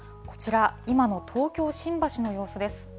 こちら、今の東京・新橋の様子です。